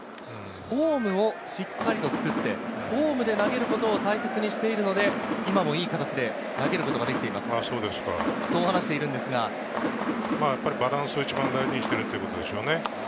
フォームをしっかりと作ってフォームで投げることを大切にしているので、今もいい形で投げることができていますと話しているんですが、やっぱりバランスを一番大事にしているってことでしょうね。